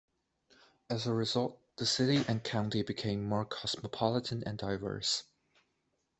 As a result, the city and county became more cosmopolitan and diverse.